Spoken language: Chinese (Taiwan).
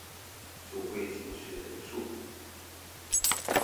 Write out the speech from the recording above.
就會顯示人數